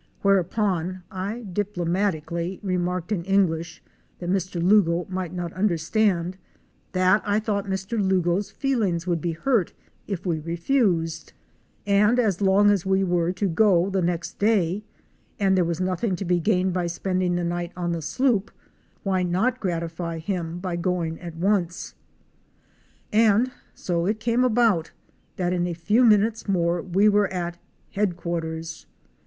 Whereupon I diplomatically remarked in English, — that Mr. Lugo might not understand, — that I thought Mr. Lugo's feelings would be hurt if we refused, and as long as we were to go the next day and there was nothing to be gained by spending the night on the sloop, why not gratify him by going at once. And so it came about that in a few minutes more we were at "Headquarters."